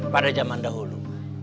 pada zaman dahulu